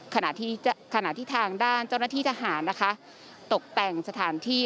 ขณะที่ขณะที่ทางด้านเจ้าหน้าที่ทหารนะคะตกแต่งสถานที่